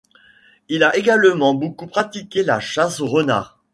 Il a également beaucoup pratiqué la chasse au renard.